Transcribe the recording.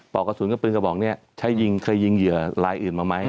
อกกระสุนกับปืนกระบอกนี้ใช้ยิงเคยยิงเหยื่อลายอื่นมาไหม